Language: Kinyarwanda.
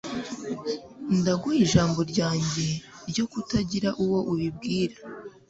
Ndaguhaye ijambo ryanjye ryo kutagira uwo mbibwira